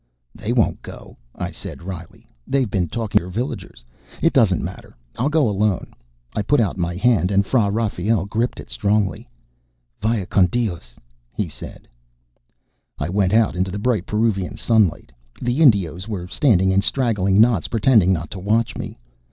"They won't go," I said wryly. "They've been talking to your villagers. It doesn't matter. I'll go it alone." I put out my hand, and Fra Rafael gripped it strongly. "Vaya con Dios," he said. I went out into the bright Peruvian sunlight. The Indios were standing in straggling knots, pretending not to watch me.